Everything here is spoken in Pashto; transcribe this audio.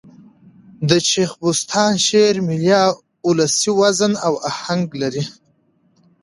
د شېخ بُستان شعر ملي اولسي وزن او آهنګ لري.